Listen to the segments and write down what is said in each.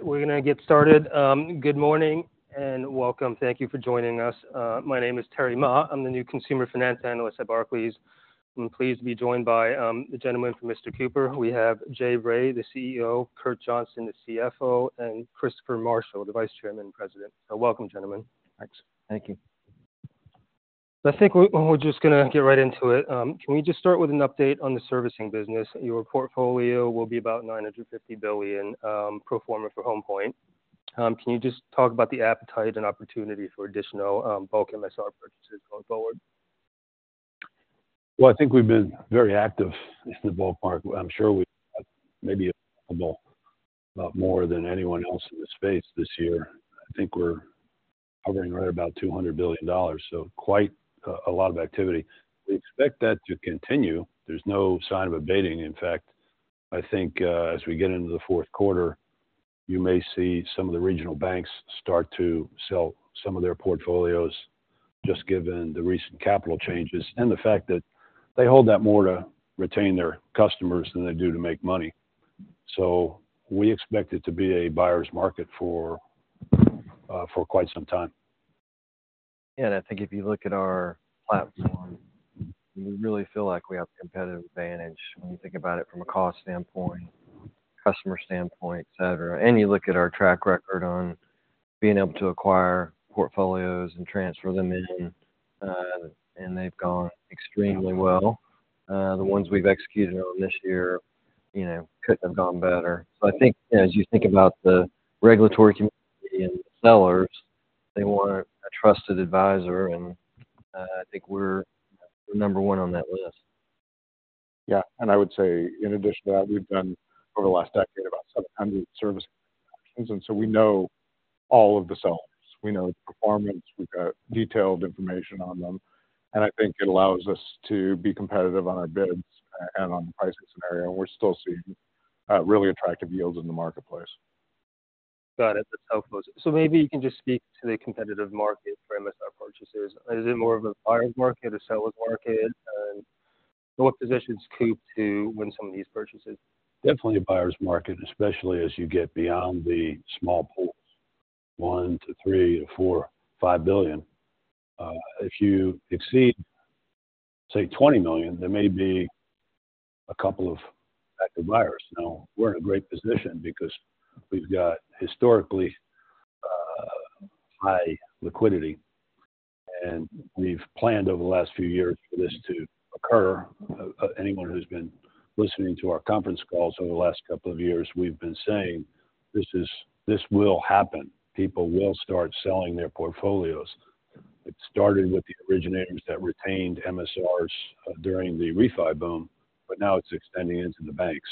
How are you? Good. How are you? Good. All right, we're going to get started. Good morning, and welcome. Thank you for joining us. My name is Terry Ma. I'm the New Consumer Finance Analyst at Barclays. I'm pleased to be joined by, the gentleman from Mr. Cooper. We have Jay Bray, the CEO, Kurt Johnson, the CFO, and Christopher Marshall, the Vice Chairman, President. So welcome, gentlemen. Thanks. Thank you. I think we're just going to get right into it. Can we just start with an update on the servicing business? Your portfolio will be about $950 billion pro forma for Home Point. Can you just talk about the appetite and opportunity for additional bulk MSR purchases going forward? Well, I think we've been very active in the ballpark. I'm sure we may be a lot more than anyone else in the space this year. I think we're hovering right about $200 billion, so quite a lot of activity. We expect that to continue. There's no sign of abating. In fact, I think, as we get into the fourth quarter, you may see some of the regional banks start to sell some of their portfolios, just given the recent capital changes and the fact that they hold that more to retain their customers than they do to make money. So we expect it to be a buyer's market for quite some time. Yeah, and I think if you look at our platform, we really feel like we have a competitive advantage when you think about it from a cost standpoint, customer standpoint, et cetera. And you look at our track record on being able to acquire portfolios and transfer them in, and they've gone extremely well. The ones we've executed on this year, you know, couldn't have gone better. So I think as you think about the regulatory community and the sellers, they want a trusted advisor, and I think we're number one on that list. Yeah. And I would say in addition to that, we've done over the last decade about 700 service, and so we know all of the sellers. We know the performance, we've got detailed information on them, and I think it allows us to be competitive on our bids and on the pricing scenario. We're still seeing really attractive yields in the marketplace. Got it. That's helpful. So maybe you can just speak to the competitive market for MSR purchases. Is it more of a buyer's market, a seller's market? And what positions Coop to win some of these purchases? Definitely a buyer's market, especially as you get beyond the small pools, $1 to $3 to $4, $5 billion. If you exceed, say, $20 million, there may be a couple of active buyers. Now, we're in a great position because we've got historically, high liquidity, and we've planned over the last few years for this to occur. Anyone who's been listening to our conference calls over the last couple of years, we've been saying, this is - this will happen. People will start selling their portfolios. It started with the originators that retained MSRs during the refi boom, but now it's extending into the banks.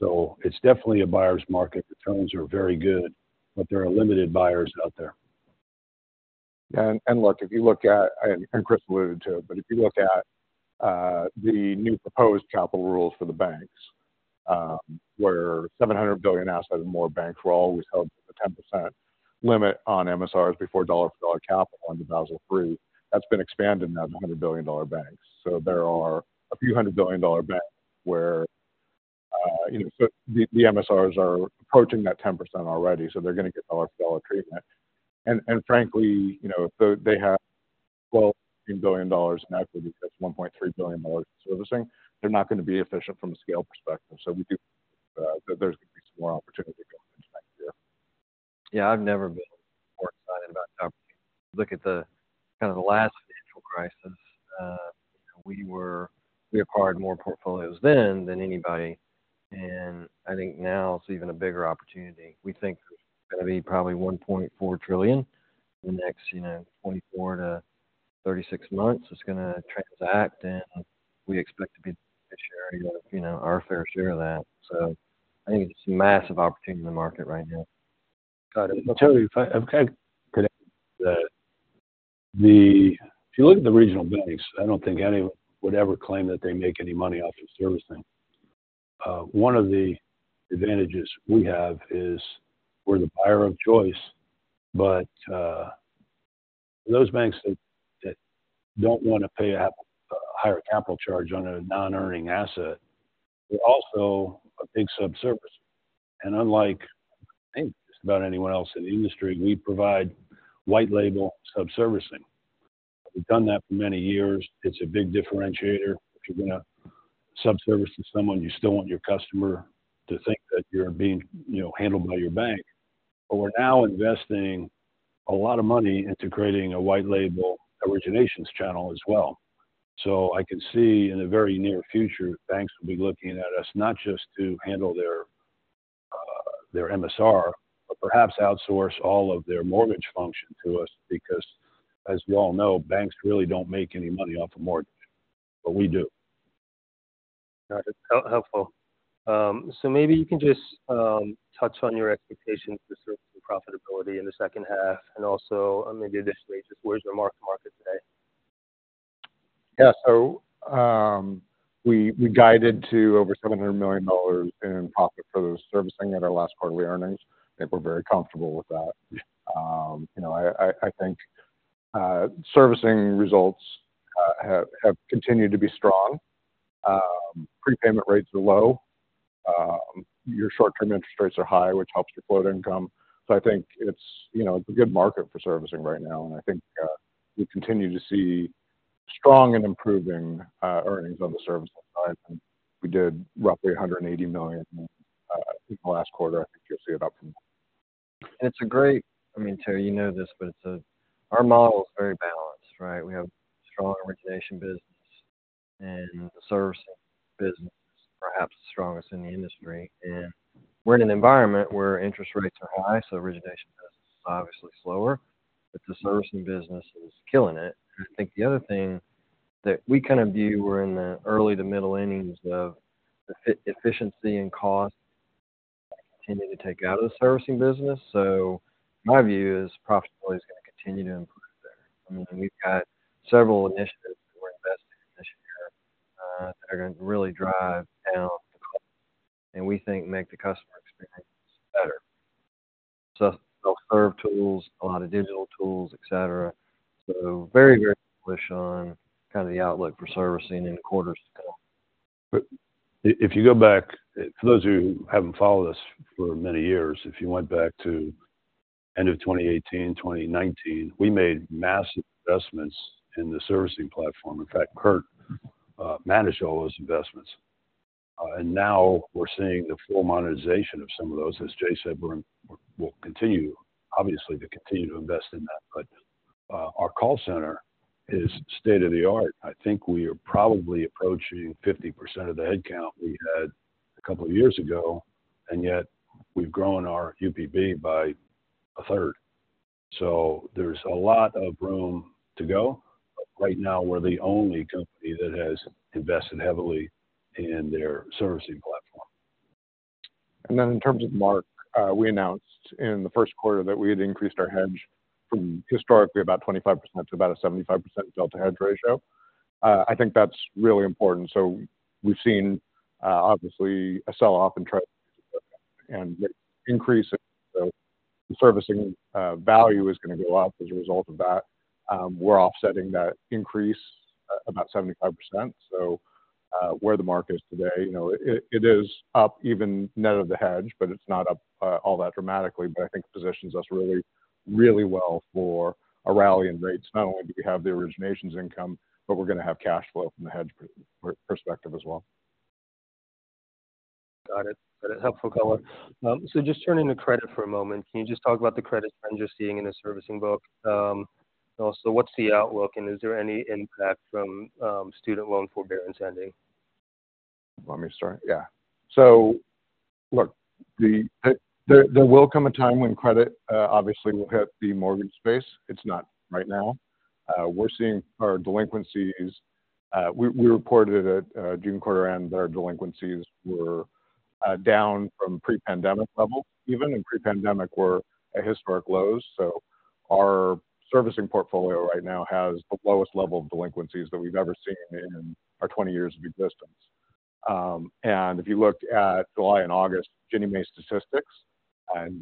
So it's definitely a buyer's market. The terms are very good, but there are limited buyers out there. And look, if you look at, Chris alluded to it, but if you look at the new proposed capital rules for the banks, where $700 billion assets and more banks were always held to a 10% limit on MSRs before dollar-for-dollar capital under Basel III, that's been expanded now to $100 billion-dollar banks. So there are a few hundred-billion-dollar banks where, you know, the MSRs are approaching that 10% already, so they're going to get dollar-for-dollar treatment. And frankly, you know, if they have $12 billion in equity, that's $1.3 billion in servicing, they're not going to be efficient from a scale perspective. So we do. There's going to be some more opportunity going into next year. Yeah, I've never been more excited about how—Look at the kind of last financial crisis. We were—we acquired more portfolios then than anybody, and I think now it's even a bigger opportunity. We think it's going to be probably $1.4 trillion in the next, you know, 24-36 months, it's going to transact, and we expect to be the beneficiary of, you know, our fair share of that. So I think it's a massive opportunity in the market right now. Got it. Terry, if I could add to that. If you look at the regional banks, I don't think anyone would ever claim that they make any money off of servicing. One of the advantages we have is we're the buyer of choice, but those banks that don't want to pay a higher capital charge on a non-earning asset, we're also a big sub-servicer. And unlike just about anyone else in the industry, we provide white label sub-servicing. We've done that for many years. It's a big differentiator. If you're going to sub-service to someone, you still want your customer to think that you're being, you know, handled by your bank. But we're now investing a lot of money into creating a white label originations channel as well. So I can see in the very near future, banks will be looking at us not just to handle their, their MSR, but perhaps outsource all of their mortgage function to us, because, as we all know, banks really don't make any money off a mortgage, but we do. Got it. How helpful. So maybe you can just, touch on your expectations for servicing profitability in the second half, and also, maybe additionally, just where's your mark-to-market today? Yeah. So, we guided to over $700 million in profit for those servicing at our last quarterly earnings, and we're very comfortable with that. You know, I think servicing results have continued to be strong. Prepayment rates are low. Your short-term interest rates are high, which helps your float income. So I think it's, you know, it's a good market for servicing right now, and I think we continue to see strong and improving earnings on the servicing side. And we did roughly $180 million, I think, last quarter. I think you'll see it up from. It's great. I mean, Terry, you know this, but our model is very balanced, right? We have a strong origination business, and the servicing business is perhaps the strongest in the industry. And we're in an environment where interest rates are high, so origination business is obviously slower, but the servicing business is killing it. I think the other thing that we kind of view, we're in the early to middle innings of the efficiency and cost continuing to take out of the servicing business. So my view is profitability is going to continue to improve there. I mean, we've got several initiatives that we're investing in this year, that are going to really drive down the cost, and we think, make the customer experience better. So they'll serve tools, a lot of digital tools, et cetera. So very, very bullish on kind of the outlook for servicing in the quarters to come. But if you go back—for those of you who haven't followed us for many years, if you went back to end of 2018, 2019, we made massive investments in the servicing platform. In fact, Kurt managed all those investments. And now we're seeing the full monetization of some of those. As Jay said, we'll continue, obviously, to continue to invest in that. But our call center is state-of-the-art. I think we are probably approaching 50% of the headcount we had a couple of years ago, and yet we've grown our UPB by a third. So there's a lot of room to go, but right now we're the only company that has invested heavily in their servicing platform. And then in terms of mark, we announced in the first quarter that we had increased our hedge from historically about 25% to about a 75% Delta hedge ratio. I think that's really important. So we've seen, obviously a sell-off and the increase in the servicing value is going to go up as a result of that. We're offsetting that increase about 75%. So, where the market is today, you know, it, it is up even net of the hedge, but it's not up all that dramatically. But I think it positions us really, really well for a rally in rates. Not only do we have the originations income, but we're going to have cash flow from the hedge perspective as well. Got it. Got a helpful color. Just turning to credit for a moment, can you just talk about the credit trends you're seeing in the servicing book? What's the outlook, and is there any impact from student loan forbearance ending? Let me start? Yeah. So look, there will come a time when credit, obviously, will hit the mortgage space. It's not right now. We're seeing our delinquencies. We reported it at June quarter-end, that our delinquencies were down from pre-pandemic levels, even in pre-pandemic were at historic lows. So our servicing portfolio right now has the lowest level of delinquencies that we've ever seen in our 20 years of existence. And if you look at July and August, Ginnie Mae statistics and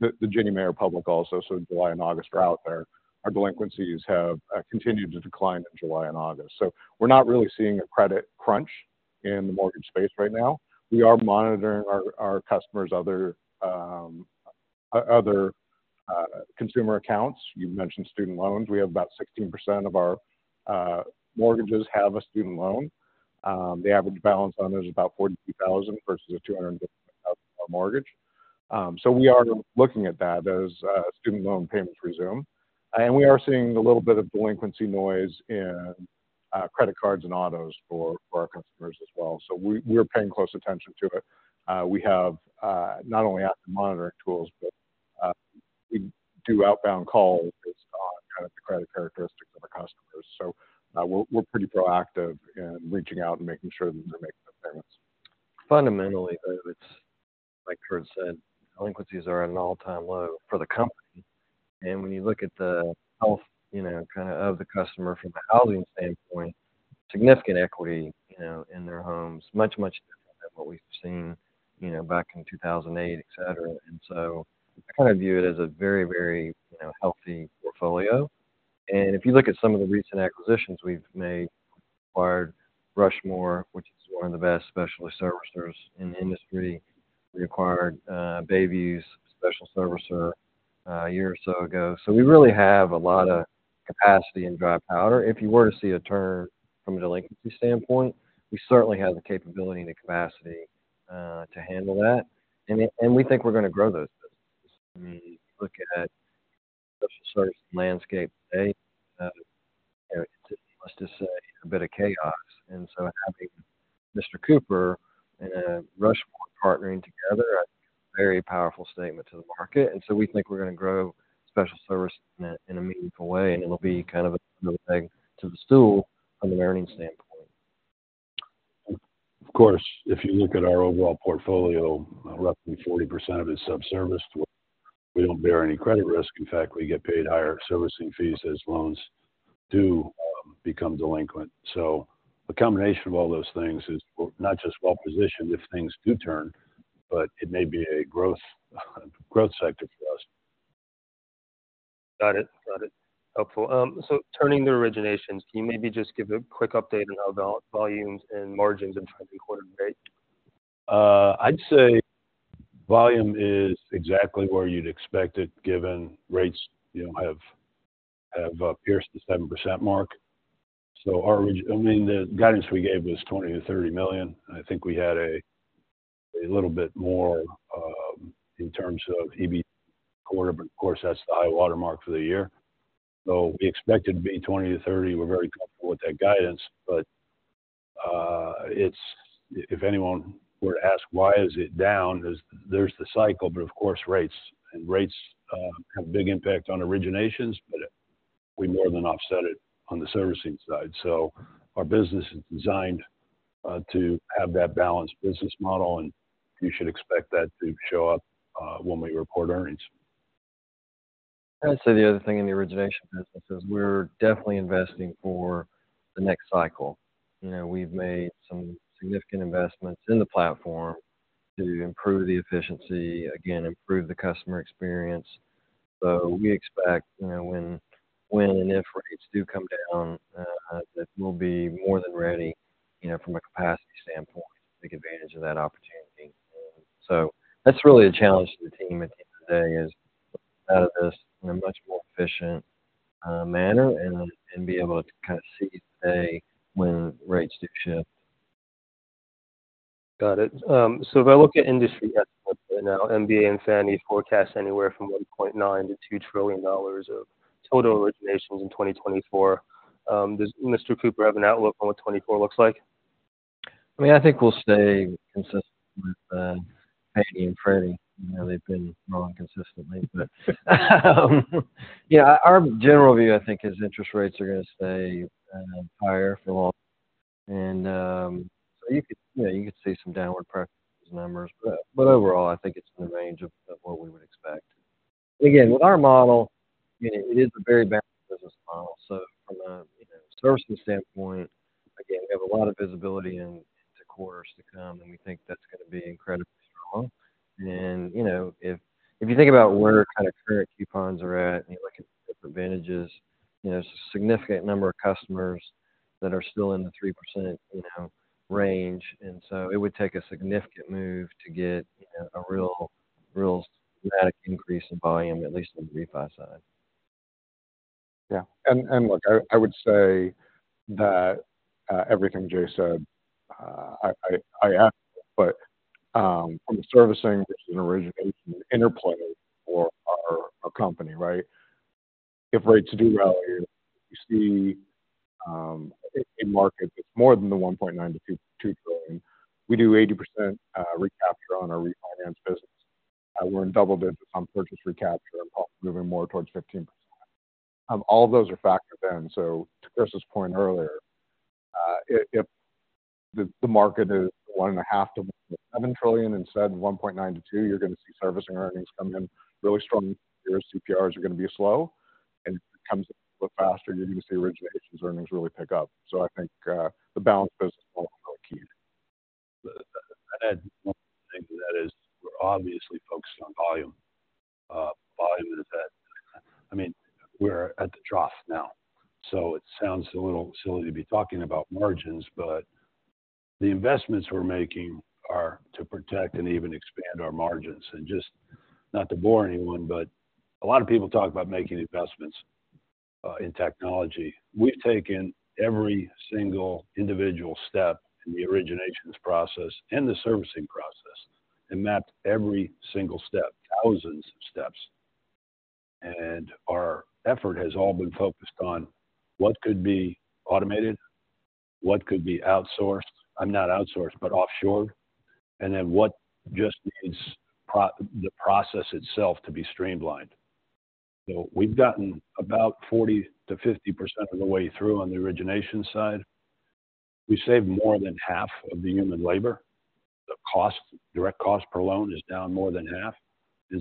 the Ginnie Mae are public also, so July and August are out there. Our delinquencies have continued to decline in July and August. So we're not really seeing a credit crunch in the mortgage space right now. We are monitoring our customers, other consumer accounts. You've mentioned student loans. We have about 16% of our mortgages have a student loan. The average balance on those is about $42,000 versus a $250,000 mortgage. So we are looking at that as student loan payments resume. And we are seeing a little bit of delinquency noise in credit cards and autos for our customers as well. So we're paying close attention to it. We have not only active monitoring tools, but we do outbound calls as kind of the credit characteristics of our customers. So we're pretty proactive in reaching out and making sure that they're making the payments. Fundamentally, though, it's like Kurt said, delinquencies are at an all-time low for the company. And when you look at the health, you know, kind of the customer from a housing standpoint, significant equity, you know, in their homes, much, much different than what we've seen, you know, back in 2008, et cetera. And so I kind of view it as a very, very, you know, healthy portfolio. And if you look at some of the recent acquisitions we've made, acquired Rushmore, which is one of the best specialist servicers in the industry. We acquired Bayview's special servicer a year or so ago. So we really have a lot of capacity and dry powder. If you were to see a turn from a delinquency standpoint, we certainly have the capability and the capacity to handle that. We think we're going to grow those businesses. When you look at the servicing landscape today, let's just say a bit of chaos. So having Mr. Cooper and Rushmore partnering together, a very powerful statement to the market. So we think we're going to grow special servicing in a meaningful way, and it'll be kind of another leg to the stool from an earnings standpoint. Of course, if you look at our overall portfolio, roughly 40% of it is sub-serviced. We don't bear any credit risk. In fact, we get paid higher servicing fees as loans do become delinquent. So a combination of all those things is, well, not just well-positioned if things do turn, but it may be a growth, a growth sector for us. Got it. Got it. Helpful. So turning to originations, can you maybe just give a quick update on how volumes and margins in the current quarter rate? I'd say volume is exactly where you'd expect it, given rates, you know, have pierced the 7% mark. So, I mean, the guidance we gave was $20 million-$30 million. I think we had a little bit more in terms of EBT quarter, but of course, that's the high water mark for the year. So we expect it to be $20 million-$30 million. We're very comfortable with that guidance, but it's if anyone were to ask, "Why is it down?" There's the cycle, but of course, rates. Rates have a big impact on originations, but we more than offset it on the servicing side. So our business is designed to have that balanced business model, and you should expect that to show up when we report earnings. I'd say the other thing in the origination business is we're definitely investing for the next cycle. You know, we've made some significant investments in the platform to improve the efficiency, again, improve the customer experience. So we expect, you know, when and if rates do come down, that we'll be more than ready, you know, from a capacity standpoint, to take advantage of that opportunity. So that's really a challenge to the team at the end of the day, is out of this in a much more efficient manner and be able to kind of see today when rates do shift. Got it. So if I look at industry estimates right now, MBA and Fannie forecast anywhere from $1.9 trillion-$2 trillion of total originations in 2024. Does Mr. Cooper have an outlook on what 2024 looks like? I mean, I think we'll stay consistent with Fannie and Freddie. You know, they've been wrong consistently, but yeah, our general view, I think, is interest rates are going to stay higher for longer. And so you could, you know, you could see some downward prepayment numbers, but but overall, I think it's in the range of what we would expect. Again, with our model, it is a very balanced business model. So from a, you know, servicing standpoint, again, we have a lot of visibility into quarters to come, and we think that's going to be incredibly strong. And you know, if you think about where kind of current coupons are at, and you look at the averages, there's a significant number of customers that are still in the 3% range. So it would take a significant move to get, you know, a real, real dramatic increase in volume, at least on the refi side. Yeah, and look, I would say that everything Jay said I add to it. But from a servicing origination interplay for our company, right? If rates do rally, you see, in markets, it's more than the $1.9 trillion-$2 trillion. We do 80% recapture on our refinance business. We're in double digits on purchase recapture, moving more towards 15%. All of those are factored in. So to Chris's point earlier, if the market is $1.5 trillion-$7 trillion instead of $1.9 trillion-$2 trillion, you're going to see servicing earnings come in really strong. Your CPRs are going to be slow, and it comes a little faster, you're going to see originations earnings really pick up. So I think the balance is really key. Ed, one thing that is, we're obviously focused on volume. Volume is at-- I mean, we're at the trough now, so it sounds a little silly to be talking about margins, but the investments we're making are to protect and even expand our margins. And just not to bore anyone, but a lot of people talk about making investments in technology. We've taken every single individual step in the originations process and the servicing process and mapped every single step, thousands of steps. And our effort has all been focused on what could be automated, what could be outsourced, not outsourced, but offshored, and then what just needs the process itself to be streamlined. So we've gotten about 40%-50% of the way through on the origination side. We saved more than half of the human labor. The cost, direct cost per loan is down more than half.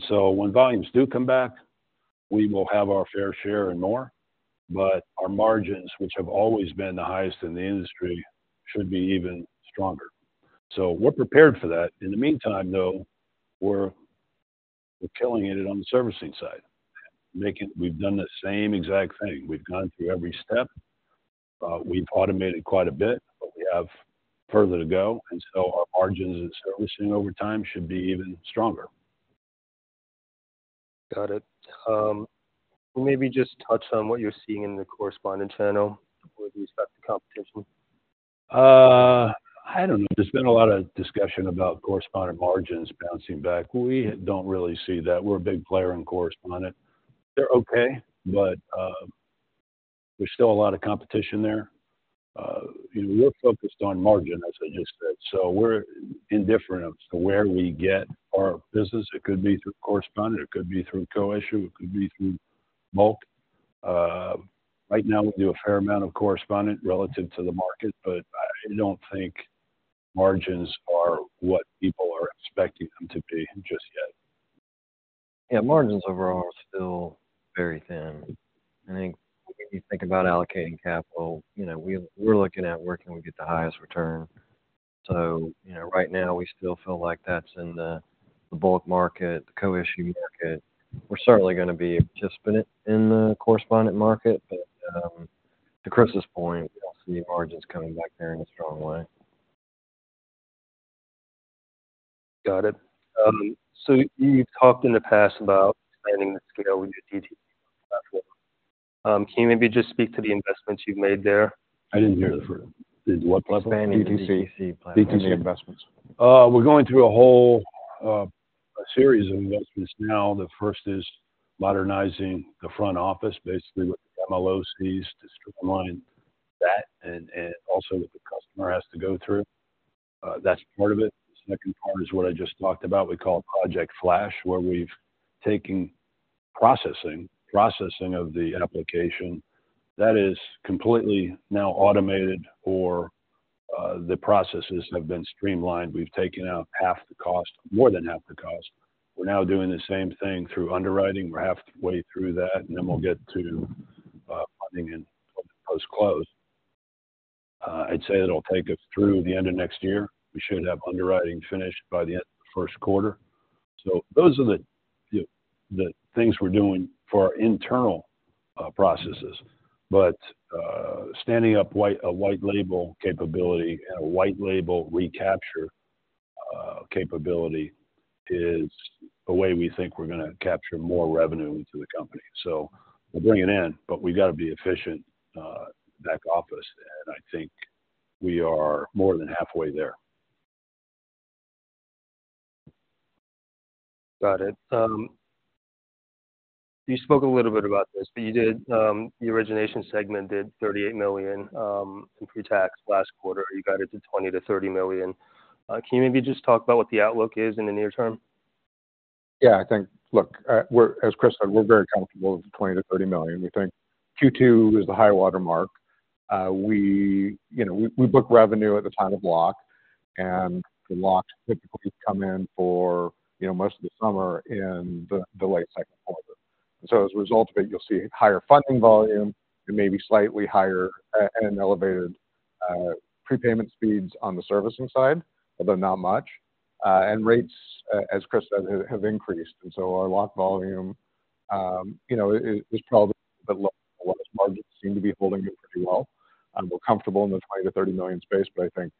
So when volumes do come back, we will have our fair share and more, but our margins, which have always been the highest in the industry, should be even stronger. So we're prepared for that. In the meantime, though, we're killing it on the servicing side. We've done the same exact thing. We've gone through every step, we've automated quite a bit, but we have further to go, and so our margins in servicing over time should be even stronger. Got it. Maybe just touch on what you're seeing in the correspondent channel with respect to competition. I don't know. There's been a lot of discussion about correspondent margins bouncing back. We don't really see that. We're a big player in correspondent. They're okay, but, there's still a lot of competition there. We're focused on margin, as I just said, so we're indifferent as to where we get our business. It could be through correspondent, it could be through co-issue, it could be through bulk. Right now, we do a fair amount of correspondent relative to the market, but I don't think margins are what people are expecting them to be just yet. ... Yeah, margins overall are still very thin. I think when you think about allocating capital, you know, we, we're looking at where can we get the highest return. So, you know, right now, we still feel like that's in the bulk market, the co-issue market. We're certainly going to be participant in the correspondent market, but, to Chris's point, we don't see margins coming back there in a strong way. Got it. So you've talked in the past about expanding the scale of your DTC platform. Can you maybe just speak to the investments you've made there? I didn't hear the first. The what platform? DTC. DTC platform, investments. We're going through a whole, a series of investments now. The first is modernizing the front office, basically, with MLOps to streamline that and also what the customer has to go through. That's part of it. The second part is what I just talked about. We call it Project Flash, where we've taken processing of the application that is completely now automated or the processes have been streamlined. We've taken out half the cost, more than half the cost. We're now doing the same thing through underwriting. We're halfway through that, and then we'll get to funding and post-close. I'd say it'll take us through the end of next year. We should have underwriting finished by the end of the first quarter. So those are the things we're doing for our internal processes. But, standing up a white label capability and a white label recapture capability is a way we think we're going to capture more revenue into the company. So we'll bring it in, but we've got to be efficient back office, and I think we are more than halfway there. Got it. You spoke a little bit about this, but you did, the origination segment did $38 million in pre-tax last quarter. You got it to $20 million-$30 million. Can you maybe just talk about what the outlook is in the near term? Yeah, I think, look, we're, as Chris said, we're very comfortable with the $20 million-$30 million. We think Q2 is the high water mark. We, you know, we book revenue at the time of lock, and the locks typically come in for, you know, most of the summer in the late second quarter. So as a result of it, you'll see higher funding volume and maybe slightly higher and elevated prepayment speeds on the servicing side, although not much. And rates, as Chris said, have increased, and so our lock volume, you know, is probably a bit low. Markets seem to be holding it pretty well, and we're comfortable in the $20 million-$30 million space, but I think,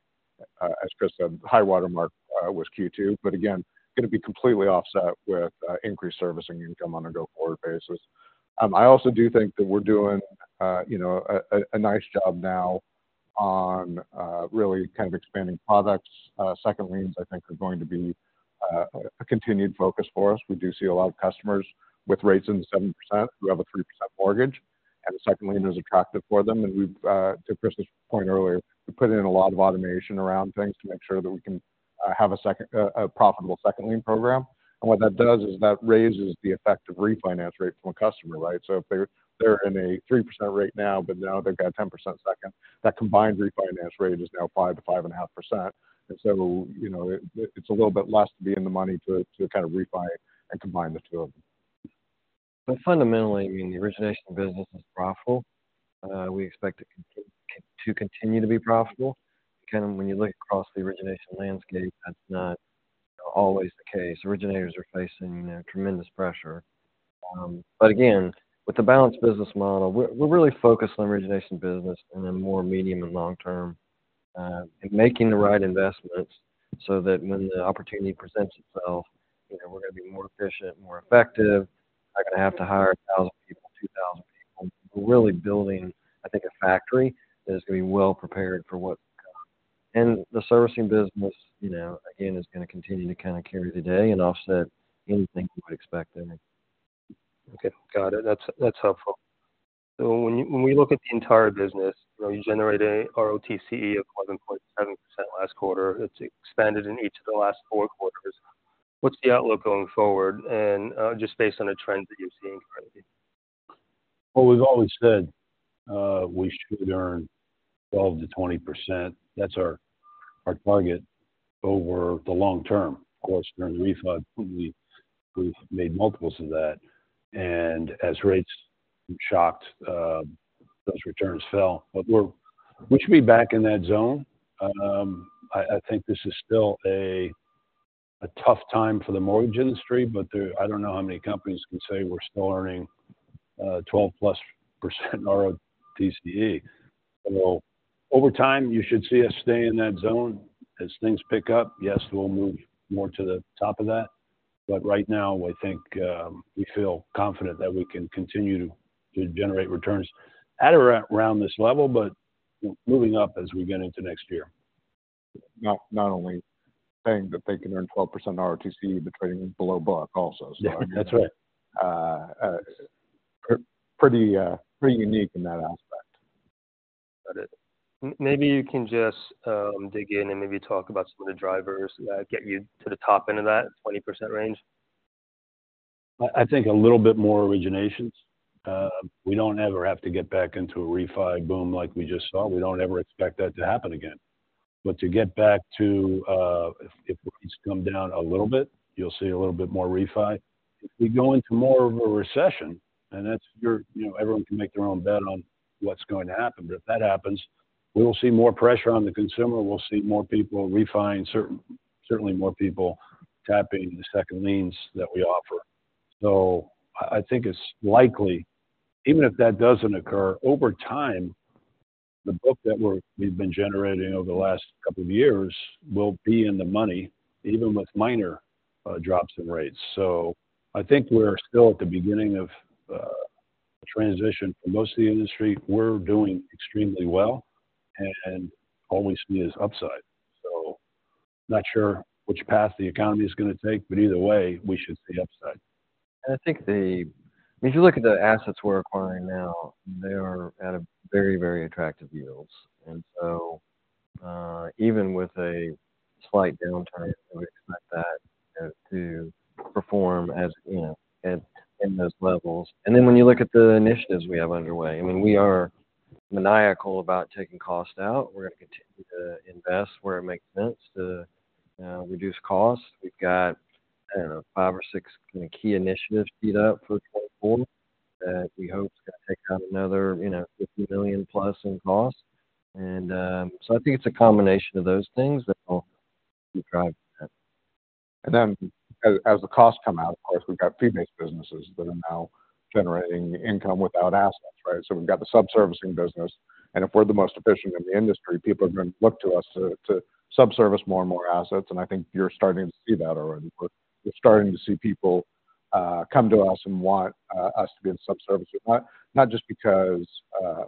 as Chris said, the high-water mark was Q2. But again, going to be completely offset with increased servicing income on a go-forward basis. I also do think that we're doing, you know, a nice job now on really kind of expanding products. second liens, I think, are going to be a continued focus for us. We do see a lot of customers with rates in the 7%, who have a 3% mortgage, and the second lien is attractive for them. And we've, to Chris's point earlier, we put in a lot of automation around things to make sure that we can have a profitable second lien program. And what that does is that raises the effective refinance rate from a customer, right? So if they're in a 3% rate now, but now they've got a 10% second, that combined refinance rate is now 5%-5.5%. And so, you know, it's a little bit less to be in the money to kind of refi and combine the two of them. But fundamentally, I mean, the origination business is profitable. We expect it to continue to be profitable. Kind of when you look across the origination landscape, that's not always the case. Originators are facing, you know, tremendous pressure. But again, with the balanced business model, we're really focused on the origination business in a more medium and long term, and making the right investments so that when the opportunity presents itself, you know, we're going to be more efficient, more effective. Not going to have to hire 1,000 people, 2,000 people. We're really building, I think, a factory that is going to be well prepared for what... And the servicing business, you know, again, is going to continue to kind of carry the day and offset anything you would expect there. Okay, got it. That's, that's helpful. So when we look at the entire business, you know, you generate a ROTCE of 11.7% last quarter. It's expanded in each of the last four quarters. What's the outlook going forward? And just based on the trends that you're seeing currently. Well, we've always said we should earn 12%-20%. That's our target over the long term. Of course, during refi, we've made multiples of that, and as rates shocked, those returns fell. But we should be back in that zone. I think this is still a tough time for the mortgage industry, but there, I don't know how many companies can say we're still earning 12%+ in ROTCE. So over time, you should see us stay in that zone. As things pick up, yes, we'll move more to the top of that. But right now, I think we feel confident that we can continue to generate returns at around this level, but moving up as we get into next year. Not only saying that they can earn 12% ROTCE, but trading below $1 also. Yeah, that's right. Pretty unique in that aspect. Got it. Maybe you can just dig in and maybe talk about some of the drivers that get you to the top end of that 20% range? I think a little bit more originations. We don't ever have to get back into a refi boom like we just saw. We don't ever expect that to happen again. But to get back to, if rates come down a little bit, you'll see a little bit more refi. If we go into more of a recession, and that's your—you know, everyone can make their own bet on what's going to happen. But if that happens, we'll see more pressure on the consumer. We'll see more people refi and certainly more people tapping the second liens that we offer. So I think it's likely, even if that doesn't occur, over time, the book that we've been generating over the last couple of years will be in the money, even with minor drops in rates. So I think we're still at the beginning of a transition for most of the industry. We're doing extremely well, and all we see is upside. So I'm not sure which path the economy is going to take, but either way, we should see upside. I think if you look at the assets we're acquiring now, they are at a very, very attractive yields. And so, even with a slight downturn, we expect that to perform as, you know, at, in those levels. And then when you look at the initiatives we have underway, I mean, we are maniacal about taking cost out. We're going to continue to invest where it makes sense to reduce costs. We've got, I don't know, five or six key initiatives teed up for 2024, that we hope is going to take out another, you know, $50 million plus in cost. And so I think it's a combination of those things that will keep driving that. And then as the costs come out, of course, we've got fee-based businesses that are now generating income without assets, right? So we've got the sub-servicing business, and if we're the most efficient in the industry, people are going to look to us to sub-service more and more assets, and I think you're starting to see that already. We're starting to see people come to us and want us to be in sub-servicing. Not just because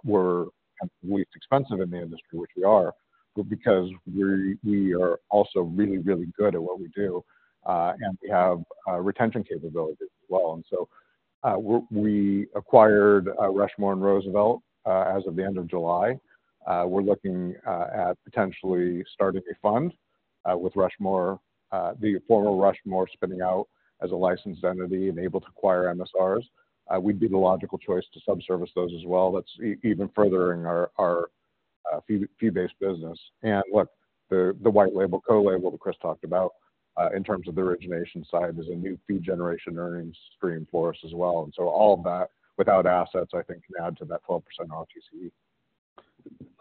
we're the least expensive in the industry, which we are, but because we are also really, really good at what we do and we have retention capabilities as well. And so we acquired Rushmore and Roosevelt as of the end of July. We're looking at potentially starting a fund with Rushmore, the former Rushmore spinning out as a licensed entity and able to acquire MSRs. We'd be the logical choice to sub-service those as well. That's even furthering our fee-based business. And what the white label, co-label that Chris talked about in terms of the origination side, is a new fee generation earnings stream for us as well. And so all of that, without assets, I think can add to that 12% ROTCE.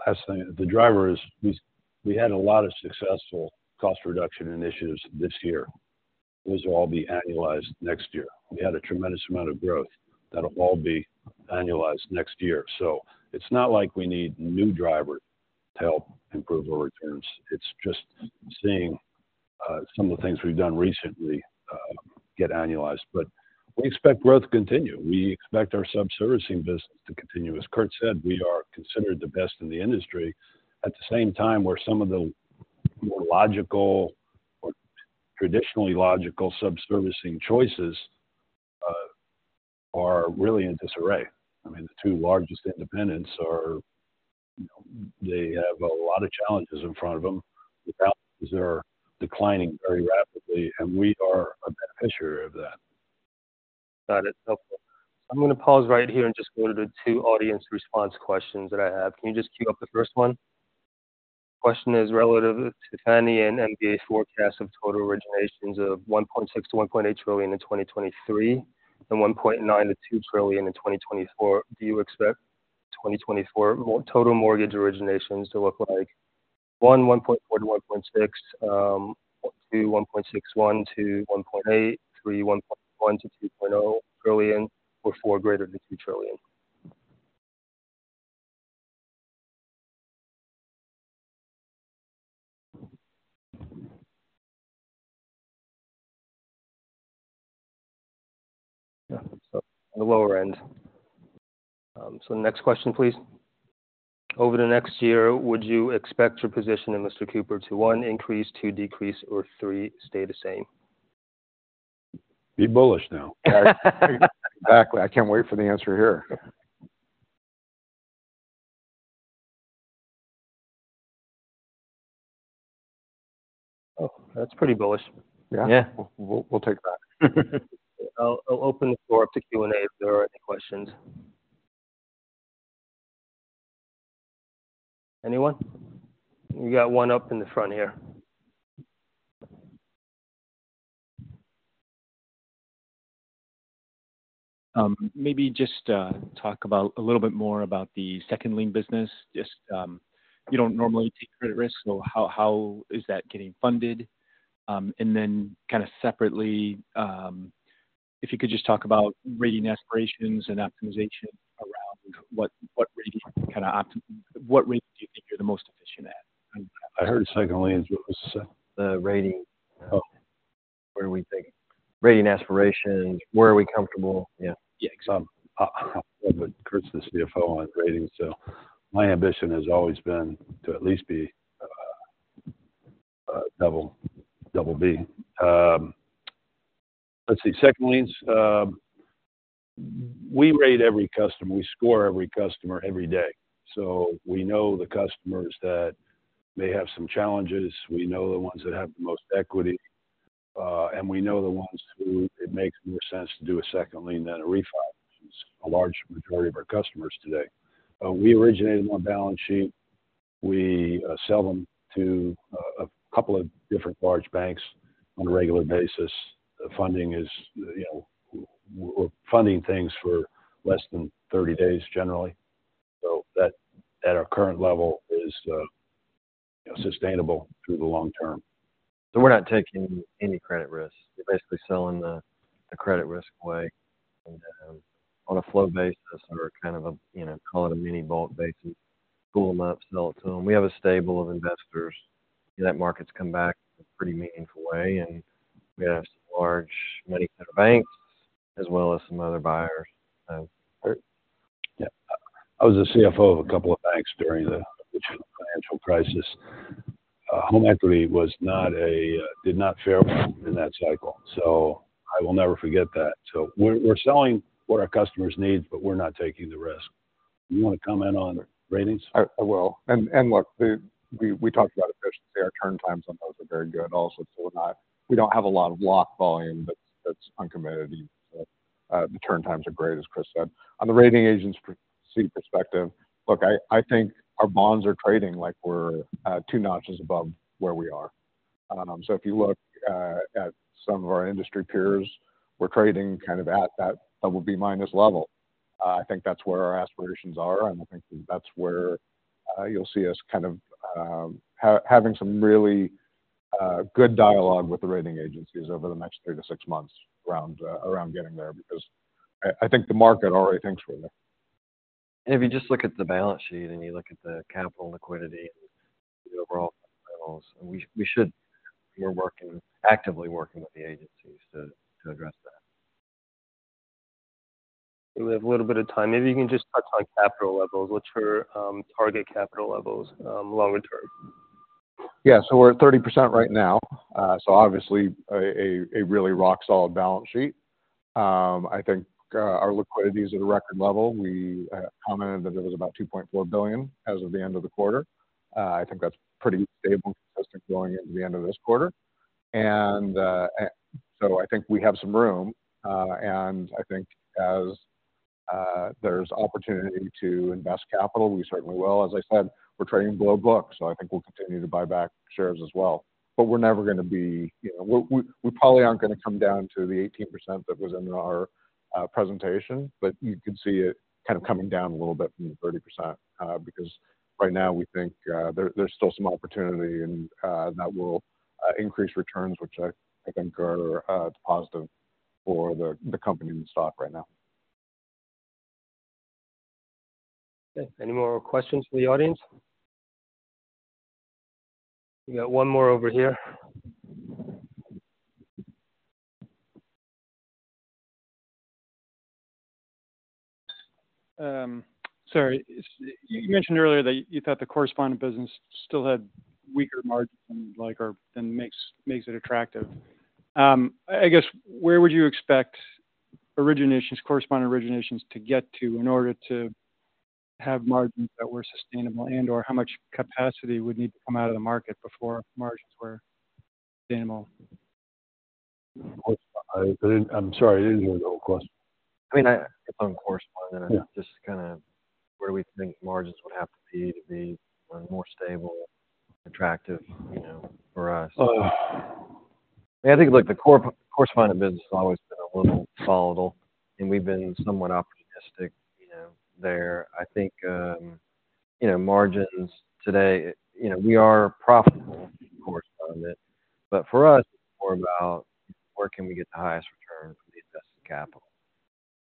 Last thing, the driver is, we had a lot of successful cost reduction initiatives this year. Those will all be annualized next year. We had a tremendous amount of growth that'll all be annualized next year. So it's not like we need new drivers to help improve our returns. It's just seeing some of the things we've done recently get annualized. But we expect growth to continue. We expect our sub-servicing business to continue. As Kurt said, we are considered the best in the industry. At the same time, where some of the more logical or traditionally logical sub-servicing choices are really in disarray. I mean, the two largest independents are, you know, they have a lot of challenges in front of them. The balances are declining very rapidly, and we are a beneficiary of that. Got it. Okay. I'm going to pause right here and just go to the two audience response questions that I have. Can you just cue up the first one? Question is relative to Fannie and MBA forecast of total originations of $1.6 trillion-$1.8 trillion in 2023, and $1.9 trillion-$2 trillion in 2024. Do you expect 2024 total mortgage originations to look like, one, $1.4 trillion-$1.6 trillion, two, $1.61 trillion-$1.8 trillion, three, $1.1 trillion-$2.0 trillion, or four, greater than $2 trillion? So the lower end. So next question, please. Over the next year, would you expect your position in Mr. Cooper to, one, increase, two, decrease, or three, stay the same? Be bullish now. Exactly. I can't wait for the answer here. Oh, that's pretty bullish. Yeah. Yeah. We'll take that. I'll open the floor up to Q&A if there are any questions. Anyone? We got one up in the front here. Maybe just talk about a little bit more about the second lien business. Just, you don't normally take credit risks, so how is that getting funded? And then kind of separately, if you could just talk about rating aspirations and optimization around what rating. What rating do you think you're the most efficient at? I heard second liens. What was- The rating. Oh. Where we think... Rating aspiration, where are we comfortable? Yeah. Yeah, because I'm Kurt's the CFO on ratings, so my ambition has always been to at least be double B. Let's see. second liens, we rate every customer, we score every customer every day. So we know the customers that may have some challenges, we know the ones that have the most equity, and we know the ones who it makes more sense to do a second lien than a refi. A large majority of our customers today. We originated on balance sheet. We sell them to a couple of different large banks on a regular basis. The funding is, you know, we're funding things for less than 30 days, generally. So that, at our current level, is sustainable through the long term. We're not taking any credit risks. We're basically selling the, the credit risk away and, on a flow basis or kind of a, you know, call it a mini bulk basis, pull them up, sell it to them. We have a stable of investors, and that market's come back in a pretty meaningful way, and we have some large multiplayer banks as well as some other buyers. I was a CFO of a couple of banks during the financial crisis. Home equity was not... Did not fare well in that cycle, so I will never forget that. So we're selling what our customers need, but we're not taking the risk. You want to comment on ratings? I will. Look, we talked about efficiency. Our turn times on those are very good. We don't have a lot of lock volume, but that's uncommitted. The turn times are great, as Chris said. On the rating agency perspective, look, I think our bonds are trading like we're two notches above where we are. If you look at some of our industry peers, we're trading kind of at that double B minus level. I think that's where our aspirations are, and I think that's where you'll see us kind of having some really good dialogue with the rating agency over the next three to six months around getting there, because I think the market already thinks we're there. If you just look at the balance sheet and you look at the capital liquidity, the overall, we should... We're actively working with the agencies to address that. We have a little bit of time. Maybe you can just touch on capital levels. What's your target capital levels longer term? Yeah, so we're at 30% right now. So obviously, a really rock-solid balance sheet. I think our liquidity is at a record level. We commented that it was about $2.4 billion as of the end of the quarter. I think that's pretty stable, consistent going into the end of this quarter. And so I think we have some room, and I think as there's opportunity to invest capital, we certainly will. As I said, we're trading below books, so I think we'll continue to buy back shares as well. But we're never gonna be, you know... We probably aren't gonna come down to the 18% that was in our presentation, but you could see it kind of coming down a little bit from the 30%, because right now we think there's still some opportunity and that will increase returns, which I think are positive for the company and the stock right now. Okay, any more questions from the audience? We got one more over here. Sorry. You mentioned earlier that you thought the correspondent business still had weaker margins, like, or, than makes it attractive. I guess, where would you expect originations, correspondent originations, to get to in order to have margins that were sustainable? And/or how much capacity would need to come out of the market before margins were sustainable? I'm sorry, I didn't hear the whole question. I mean, on correspondent- Yeah. Just kinda where we think margins would have to be to be more stable, attractive, you know, for us. Oh. I think, look, the correspondent business has always been a little volatile, and we've been somewhat opportunistic, you know, there. I think, you know, margins today, you know, we are profitable in correspondent, but for us, it's more about where can we get the highest return for the invested capital.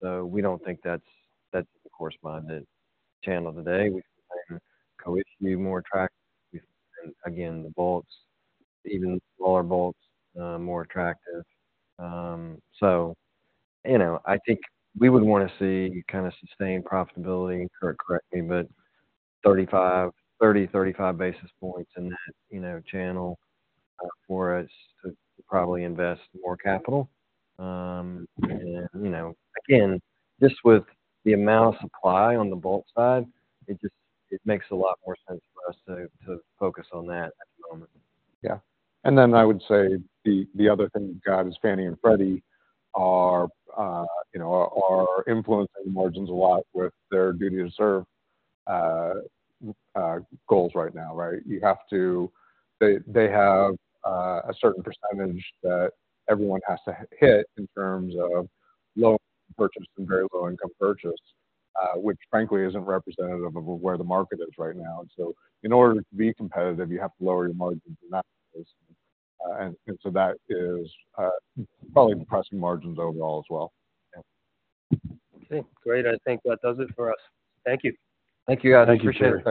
So we don't think that's the correspondent channel today. We co-issue more attractive, again, the vaults, even smaller vaults, more attractive. So, you know, I think we would want to see kind of sustained profitability, or correct me, but 30-35 basis points in that, you know, channel for us to probably invest more capital. And, you know, again, just with the amount of supply on the vault side, it just, it makes a lot more sense for us to focus on that at the moment. Yeah. And then I would say the other thing you've got is Fannie and Freddie are, you know, influencing margins a lot with their Duty to Serve goals right now, right? You have to. They have a certain percentage that everyone has to hit in terms of low purchase and very low-income purchase, which frankly isn't representative of where the market is right now. And so in order to be competitive, you have to lower your margins in that case. And so that is probably depressing margins overall as well. Okay, great. I think that does it for us. Thank you. Thank you, guys. I appreciate it.